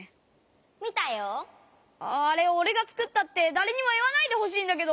あれおれがつくったってだれにもいわないでほしいんだけど！